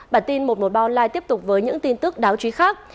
bản tin một mươi một balai tiếp tục với những tin tức đáo chí khác